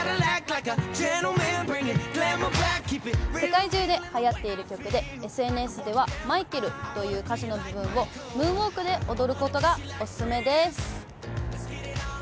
世界中ではやっている曲でＳＮＳではマイケルという歌詞の部分を、ムーンウォークで踊ることがお勧めです。